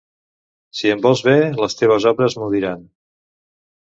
Si em vols bé, les teves obres m'ho diran.